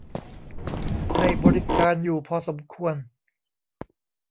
ให้บริการอยู่พอสมควร